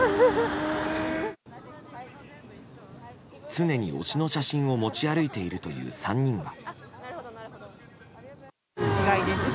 常に推しの写真を持ち歩いているという３人は。